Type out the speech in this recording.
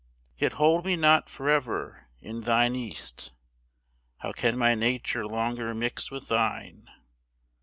Yet hold me not for ever in thine East: How can my nature longer mix with thine?